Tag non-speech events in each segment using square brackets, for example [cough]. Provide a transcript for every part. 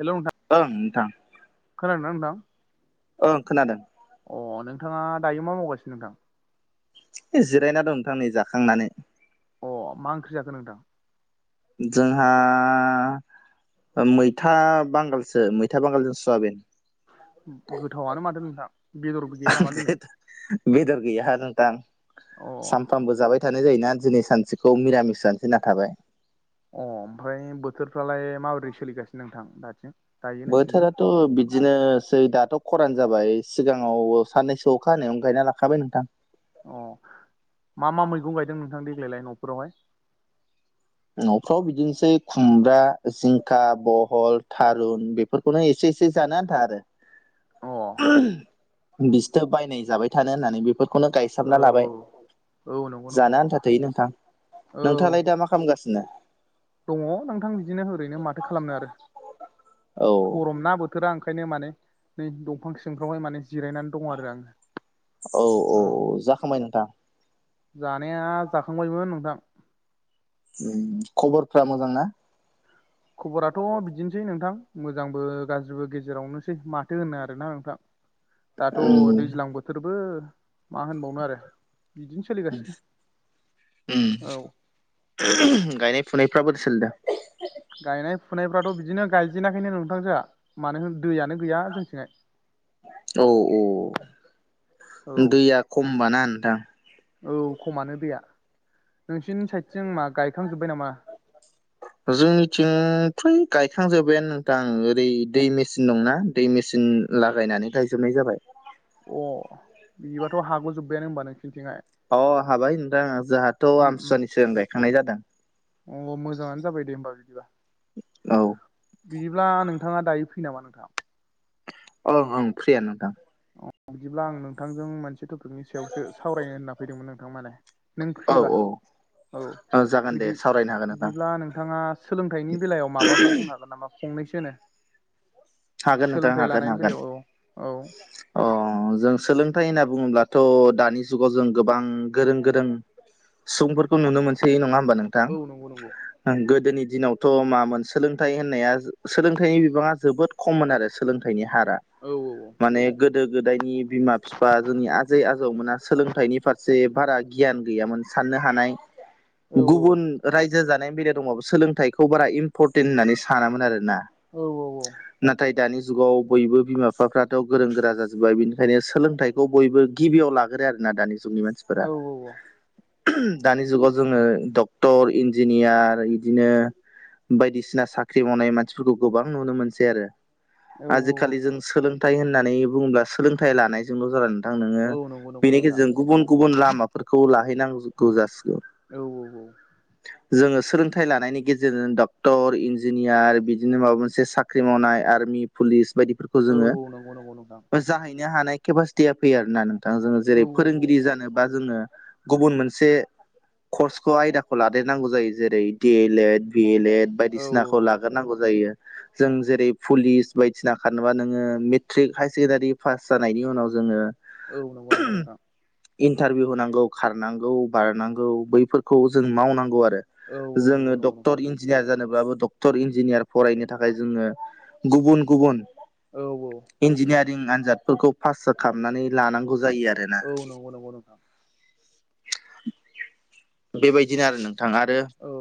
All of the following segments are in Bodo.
हेल' ओं उथा नोंथां खार नथा ओं खोनादों अ नोंथाङा दायो मा मावगासिनो नोंथां थ जिरायना दं नोंथां नै जाखांनानै अ मा ओंख्रि जाखोन नोंथां जोंहा मैथा बांगालसो मैथा बांगालजों सयाबिन गोथावआनो मादों नोंथां बेदरबो गैया नामा दिनै बेदर गैयाह नोंथां अ सानफ्रामबो जाबाय थानाय जायोना दिनै सानसेखौ नििरामिस जानसो ना थाबाय अ ओमफ्राय बोथोरफ्रालाय माबोरै सोलिगासिनो नोंथां दाथिम बोथोर थ' बिदिनोसै दाथ' खरान जाबाय सिगाङाव साननैसो अखाानायावनो गायना लाखाबाय नोंथां अ मा मा मैगं गायदों नोंथां देग्लायलाय न'फोरावहाय न'फ्राव बिदिनोसै खुमब्रा जिंखा बहल थारुन बे बे फोरफोरखौनो एसे एसे जानो आन्था आरो [inaudible] बिसथो बायनाय जाबाय थानो होननानै बेफोर खौनो गायसाबना औ लाबाय औ औ नंगौ नंगौ जानो आन्था थोयो नोंथां औ नोंथाङालाय दा माा खालामगासिनो दङ नोंथां बिदिनो ओरैनो माथो खालामनो आरो औ गरम ना ब बोथोरा ओंखायनो माने नै दंफां सिंफ्रावहाय माने जिरायनानै दङ आरो आङो औ औ औ जाखांबाय नोंथां जानाया जाखांबायमोन नोंथां खबरफ्रा मोजां ना खबराथ' बिदिनोसै नोंथां मोजांबो गाज्रिबो गेजेरावनोसै माथो होनो आरोना नोंथां दाथ' उम दैज्लां बोथोरबो मा होनबावनो आरो बिदिनोस औ गायनाय फुनायफ्राबोरै सोलिदोंो गायनाय फुनायफ्राथ' बिदिनो गायजेनाखैनो नोंथांजोआ मानो होन दैयानो गैया जोंथिंङाय औ औ औ दैया खमबाना नोंथां औ खमानो दैैया नोंसिोरनि साइडथिं मा गायखांजोब्बाय नामा जोंनिथिं फ्राय गायखांजोब्बायानो नोंथां ओरै दै मेसिन दंना दै मेसिन लागायनानै गायजोबनाय जाबाय। अ बिबाथ' हाग'जोब्बायानो होनबा नोंसििनिथिंहाय। अ हाबाय नथा जाहाथ। थ' आमसुनिस गायखांनाय जादों। उम अ मोजाङानो जाबाय दे होमबा बिदिबा औ। बिदिब्ला नोंथाङा दायो फै नामा नोंथाङा। ओं ओ फ्रिय नोंथां। बिदिब्ला आं नोंथांजों मोनसे टपिकनि सायावसो सावरायनो होनना फैदोंमोन नोंथां माने नों औ फ्रिबा औ। जागोन दे बिदि सावरायनो हागोन नोंथां बिदिब्ला नोंथाङा सोलोंथाइनि बेलायाव माबाफोर बुंनो हागोन नामा‌। फंनैसोनो हागोन नोंथां सोलोंथाइ हागोन लानायनि हागोन बेलायाव औ औ। अ जों सोलोंथाइ होनना बुङोब्लाथ' दानि जुगाव जों गोबां गोरों गोरों [inaudible] सुबुंफोरखौ नुनो मोनसैै नङा होमबा औ नंगौ नंगौ नोंथां। गोदोनि दिनावथ' मामोन सोलोंथाइ होननाया सोलोंथाइनि बिबाङा जोबोद खममोन आरो सोलोंथाइनि हारा औ औ औ। माने गोदो गोदायनि बिमा बिफा जोंनि आजै आजौमोना सोलोंथाइनि फारसे जे बारा गियान गैयामोन साननो हानाय औ गुबुन‌ रायजो जानायनि बेलायाव दंबाबो सोलोंथाइखौ बारा इम्परटेन्ट होननानै सानामोन आर ना औ औ नाथाय दानि जुगाव बयबो बिमा बिफाफ्राथ' गोरों गोरा जाजोब्बाय बेनिखायनो सोलोंथाइ बेखौ बयबो गिबियाव लाग्रो आरो ना दानि जुगनि मानसिफोरा औ दानि जुगाव जोङो डक्टर इन्जिनियार इदिनो बायदिसिना साख्रि मावनाय मानसिफोरखौ गोबां नुनो मोनसै आरो औ औ आजिखालि जों सोलोंथाइ होननानै बुङोब्ला सोलोंथाइ लानायजोंल' ज नोङो औ नंगौ नंगौ नोंथां बेनिखेजेरजों गुबुन गुबुन लामाफोरखौ लाहैनांगौ जासिगौ औ औ। जोङो सोलोंथाइ लानायनि गेजेरजों डक्टर इन्जिनियार बिदिनो माबा मोनसे साख्रि मावनाय आर्मि पुलिस बायदिफोरखौ औ जोङो औ नंगौ नंगौ नोंथां जाहैनो हानाय केपासिटिया फैयो आरोोना नोंथां जोङो औ जेरै फोरोंगिरि जानोबा जोङो गुबुन मोनसे कर्सखौ आयदाखौ लादेरनांगौ जायो जेरै D El Ed B El Ed औ बायदिसिनाखौ लाग्रोनांगौ जायो जों जेरै पुलिस बायदिसिना खारबा नोङो मेट्रिक हायार सेकेण्डारि पास जानायनि उनाव जोङो औ नंगौ नंगौ नोंथां। इन्टारभिउ होनांगौ खारनांगौ बारनांगौ बैफोरखौ जों मावनांगौ आरो औ। औ जोङो नंगौ नंगौ डक्टर नोंथां इन्जिनियार जानोब्लाबो डक्टर इन्जिनियार फरायनो थाखाय जोङो गुबुन गुबुन औ औ इन्जिनियारिं आनजादफोरखौ पास खालामनानै लानांगौ जायो आरो ना औ नंगौ नंगौ नोंथां बेबायदिनो आरो नोंथाङा आरो औ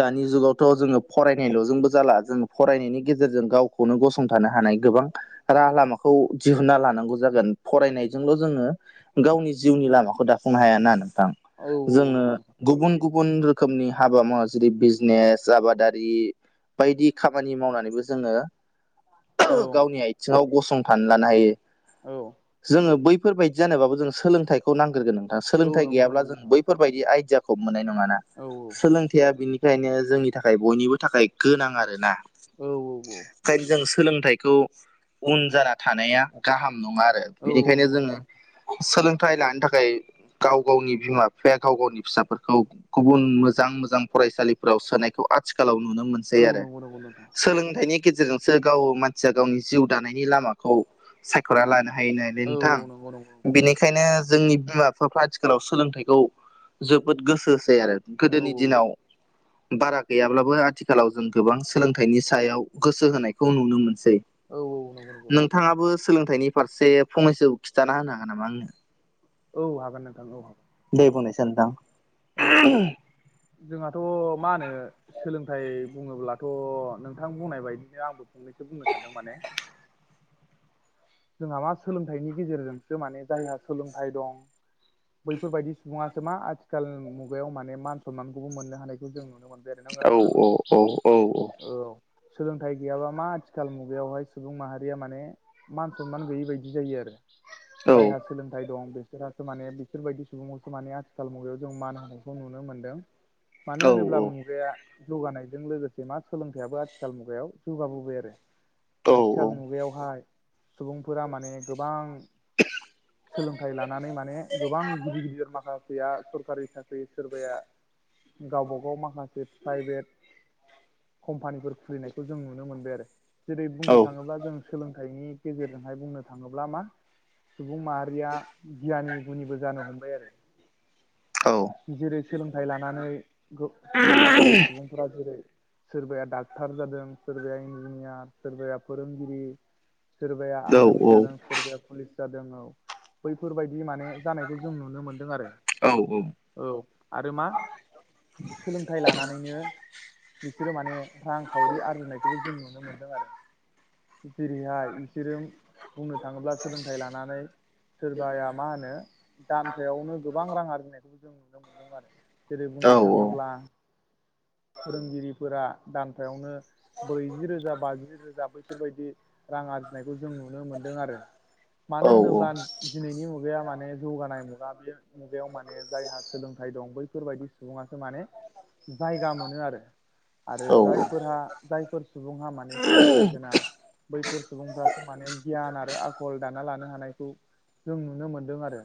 दानि जुगावथ' जोङो फरायनायल'जोंबो जाला जों फरायनायनि गेजेरजों गाव खौनो गसंथानो हानाय गोबां राहा लामाखौ दिहुनना लानांगौ जागोन फरायनायजोंल' जोङो गावनि जिउनि लामाखौ दाफुंनो हाया ना नोंथां औ औ नंगौ जोङो नंगौ गुबुन गुबुन रोखोमनि हाबा मावा जेरै बिजनेस आबादारि बायदि खामानि मावनानैबो जोङो औ गावनि आथिङाव गसंथानो लानो हायो औ। जोङो बैफोरबायदि जानबाबो जों सोलोंथाइखौ नांग्रगोन नोंथांा औ सोलोंथाइ नंगौ गैयाब्ला नंगौ जों नोंथां बैफोरबायदि आइदििया। मोननाय नङाना औ सोलोंथाइया बिनिखायनो जोंनि थाखाय बयनिबो थाखाय गोनां आर ना औ औ औ ओंखायनो जों सोलोंथाइखौ उन जाना थानाया गाहाम नङा आरो औ बेनिखायनो नंगौ जोङो नंगौ सोलोंथाइ लानो थाखाय गाव गावनि बिमा बिफाया गाव गावनि फिसाफोरखौ गुबुन मोजां मोजां फरायसालिफोराव सोनायखौ आथिखालाव नुनो मोन सै औ आरो नंगौ नंगौ नोंथां सोलोंथाइनि गेजेरजोंसो गाव मानसिया गावनि जिउ दानायनि लामाखौ सायख'ना लानो हायो नै औ नोंथां औ नंगौ नंगौ नोंथां बेनिखायनो जोंनि बिमा बिफाफ्रा आथिखालाव सोलोंथाइखौ जोबोद गोसोसै आरो औ गोदोनि दिनाव बारा गैयाब्लाबो आथिखालाव जों गोबां सोलोंथाइनि सायाव गोसो होनाय खौ नुनो मोनसै औ औ नंगौ नंगौ नोंथाङाबो सोलोंथाइनि फारसे फंैस खिन्थाना होनो हागोन नामा आंनो औ हागोन नोंथां औ हागोन दैे बुंनि स दां औ जोंहाथ' मा होनो सोलोंथाइ बुङोब्लाथ' नोंथां बुंनाय बायदिनो आंबो फंनैसो बुंनो सानदों माने जोंहा मा सोलोंथाइनि गेजेरजोंसो माने जायहा सोलोंथाइ दं बैफोरबायदि सुबुङासो मा आथिखाल मुगायाव माने मान सनमानखौबो मोननो हानायखौ जों नुनो मोनो दै नों र औ नङा औ औ औ सोलोंथाइ गैयाबा मा आथिखाल मुगायावहाय सुबुं माहारिया माने मान सनमान गैयि बायदि जायो आरो औ जायहा सोलोंथाइ दं बिसोरासो माने बिफोरबायदि सुबुंखौसो माने आथिखाल मुगायाव जों मान होनायखौ नुनो मोन्दों मानो औ होनोब्ला मुगाया जौगानायजों लोगोसे मा सोलोंथाइयाबो आथिखाल मुगायाव जौगाबोबाय आरो औ आथिखाल मुगायावहाय सुबुंफोरा माने गोबां सोलोंथाइ लानानै माने गोबां गिदिर गिदिर माखासेया सरकारि साख्रि सोरबाया गावब गाव माखासे प्राइभेट कम्पानिफोर खुलिनायखौ जों नुनो मोनबाय आरो जेरै औ बुंनो औ थाङोब्ला जों सोलोंथाइनि गेजेरजोंहाय बुंनो थाङोब्ला मा सुबुं माहारिया गियानि गुनिबो जानो हमबाय आरो औ औ जेरै सोलोंथाइ लानानै माखासे सुबुंफोरा जेरै सोरबाया डाक्टार जादों सोरबाया इन्जिनियार सोरबाया फोरोंगिरि सोरबाया आर्मि औ जादों सोरबाया पुलिस जादों औ बैफोरबायदि माने जानायखौ जों नुनो मोनदों आरो औ आरो मा सोलोंथाइ लानानैनो बिसोरो माने रांखावरि आरजिनायखौबो जों नुनो मोन्दों आरो जेरैहाय बिसोरो बुंनो थाङोब्ला सोलोंथाइ लानानै सोरबाया मा होनो दानफ्रायावनो गोबां रां आरजिनायखौ जों नुनो मोनदों आरो जेरै बुंनो थाङोब्ला फोरोंगिरिफोरा दानथायायावनो ब्रैजि रोजा बाजि रोजा बैफोरबायदि रां आरजिनायखौ जों नुनो मोनदों आरो मानो होनोब्ला दिनैनि मुगाया माने जौगानाय मुगा बे मुगायाव माने जायहा सोलोंथाइ दं बैफोरबायदि सुबुङासो माने जायगा मोनो आरो आरो जायफोरहा जायफोर सुबुंहा माने सोलोंथाइ गोनां बैफोर सुबुंफ्रासो माने गियान आरो आखल दाना लानो हानायखौ जों नुनो मोनदों आरो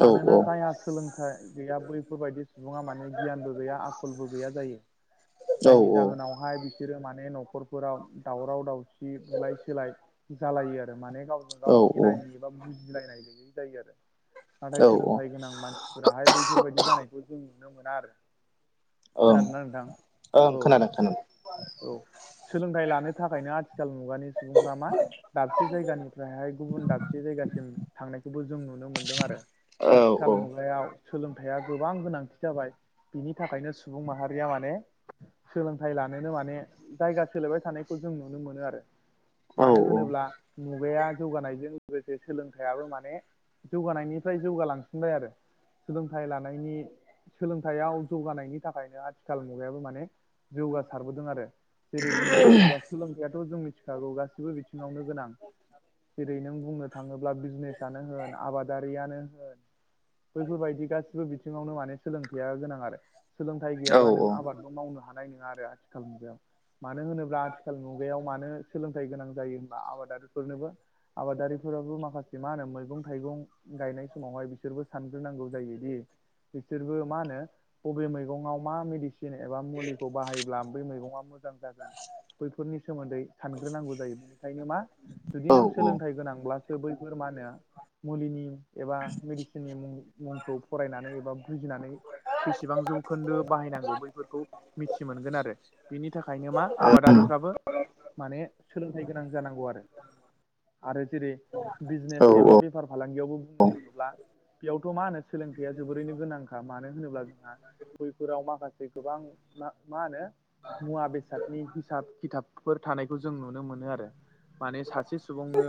मानोना जायहा सोलोंथाइ गैया बैफोरबायदि सुबुङा माने गियानबो गैया आखलबो गैया जायो जायनि जाहोनाव बेहाय बिसोरो माने न'खरफोराव दावराव दावसि ख बुलाय सोलाय जालायो आरो माने गावजों गाव एना एनि ा बुजिलायनाय गैयै जायो आरो नाथाय औ औ सोलोंथाइ गोनां मानसिफोराहाय बैफोरबायाददि जानायखौ जों नुनो मोना आरो ओं खोनादोंना नोंथां ओं औ खोनादों खोनादों औ सोलोंथाइ लानो थाखायनो आथिखाल मुगानि सुबुंफ मा दाबसे जायगानिफ्रायहाय गुबुन दाबसे जायगासिम थांनायखौबो जों नुनो मोनो आरो औ आथिखाल मुगायाव सोलोंथाइया गोबां गोनांथि जाबाय बिनि थाखायनो सुबुं माहारिया माने सोलोंथाइ लानोनो माने जायगा सोलायबाय थानायखौ जों नुनो मोनो आरो मानो होनोब्ला मुगाया जौगानायजों लोगोसे सोलोंथाइाबो माने जौगानायनिफ्राय जौगालांफिनबाय आरो सोलोंथाइ लानायनि सोलोंथाइयाव जौगानायनि थाखायनो आथिखाल मुगायाबो माने जौगासारबोदों आरो जेरै बुंनो थाङोब्लास सोलोंथाइाथ' जों मिथिखागौ गासिबो बिथिङावनो गोनां जेरै नों बुंनो थाङोब्ला बिजनेसानो होन आबाद दारियनो होन बेैफोरबायदि गासिबो बिथिङावनो माने सोलोंथायाइया गोनां आरो सोलोंथाइ गैयाबा नों आबादखौ मावनो हानाय नङा आरो आथिखाल मुगायाव मानो होनोब्ला आथिखाल मुगायाव मानो सोलोंथाइ गोनां जायो होनबब्ला आबादारिफोरनोबो आबादारिफोराबो माखासे मा होनो मैगं थाइगं गायनाय समावहाय बिसोरबो सानग्रोनांगौ जायोदि बिसोरबो मा होनो बबे मैगंआव मा मेडिसिन फिन एबा मुलिखौ बाहायोब्ला बै मैगङा मोजां जागोन बैफोरनि सोमोन्दै सानग्रोनांगौ जायो बेनिखायनो मा जुदि नों सोलोंथाइ गोनांब्ला बैफोर मा होनो मुलिनि एबा मेडिसिननि मुं मुंखौ फरायनानै एबा बुजिनानै बेसेबां जौखोन्दो बाहायनांगौ बैफोरखौ मिथि मोनगोन आरो बेनि थाखायनो मा आबादारिफ्राबो माने सोलोंथाइ गोनां जानांगौ आरो आरो जेरै बिजनेस एबा बेफार फालांगियावबो बुंनो थाङोब्ला बेयावथ' मा होनो सोलोंथाइया जोबोरैनो गोनांखाार मानो होनोब्ला जों गयफोराव माखासे गोबां मा होनो मुवा बेसादनि हिसाब खिथाबफोर थानायखौ जों नुनो मोनो आरो माने सासे सुबुंनो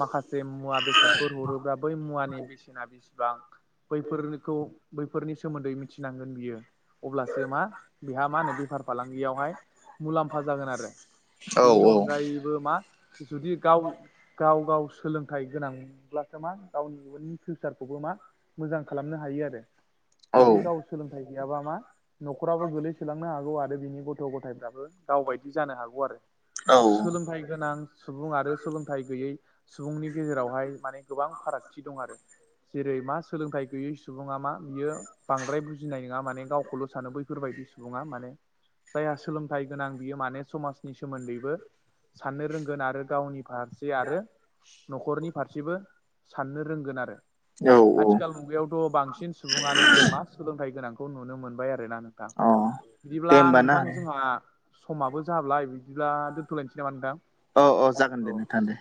माखासे मुवा बेसादफोर हरोब्ला‌ बै मुवानि बेसेना बेसिबां बैनिफोरखौ बैफोरनि सोमोन्दै मिथिनांगोन बियो अब्लासो मा बेहा मा होनो बेफार फालांगियावहाय मुलाम्फा जागोन आरो औ बेनि औ अनगायैबो मा जुदि गाव गाव गाव सोलोंथाइ गोनांब्लासो मा गावनि इयुननि फिउसारखौबो मा मोजां खालामनो हायो आरो जुदि गाव सोलोंथाइ गैयाबा मा न'खराबो गोलैसोलांनो हागौ आरो बिनि गथ' गथायफ्राबो गावबायायदि जानो हागौ आरो औ सोलोंथाइ गोनां सुबुं आरो सोलोंथाइ गैयै सुबुंनि गेजेरावहाय माने गोबां फारागथि दं आरो जेरै मा सोलोंथाइ गैयै सुबुङा मा बियो बांद्राय बुजिनाय नङा माने गावखौल' सानो बैफोरबायदि सुबुङा माने जायहा सोलोंथाइ गोनां बियो माने समाजनि सोमोन्दैबो साननो रोंगोन आरो गावनि फारसे आरो न'खरनि फारसेबो साननो रोंगोन आरो औ औ आथिखाल मुगायावथ' बांसिन सुबुङानो जों मा सोलोंथाइ गोनांखौ नुनो मोनबाय आरोना नों अ दे बिदिब्ला होमबा ना नोंथां जोंहा समाबो जाब्लााय बिदिब्ला दोन्थ'लायनोसै नामा नोंथां औ औ जागोन दे औ नोंथां दे